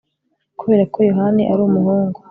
kubera ko yohani ari umuhungu